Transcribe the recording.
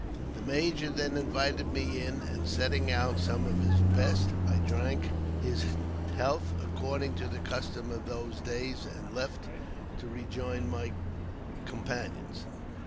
The major then invited me in, and, setting out some of his best, I drank his health according to the custom of those days, and left to rejoin my companions.